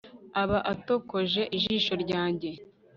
aba atokoje ijisho ryanjye